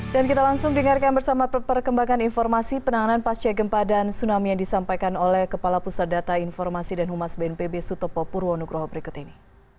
dan kita langsung dengarkan bersama perkembangan informasi penanganan pascai gempa dan tsunami yang disampaikan oleh kepala pusat data informasi dan humas bnpb sutopo purwonukroho berikut ini